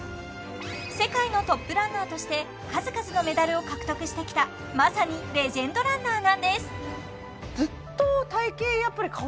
世界のトップランナーとして数々のメダルを獲得してきたまさにレジェンドランナーなんです！